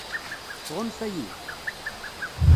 Tɣunfa-yi?